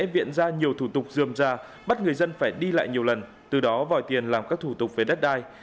viện ra nhiều thủ tục dườm ra bắt người dân phải đi lại nhiều lần từ đó vòi tiền làm các thủ tục về đất đai